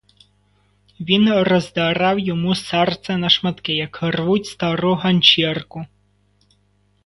Він роздирав йому серце на шматки, як рвуть стару ганчірку.